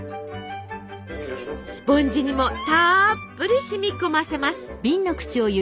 スポンジにもたっぷりしみこませます。